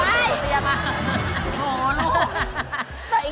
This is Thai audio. โอ๊ยโอ้โหลูก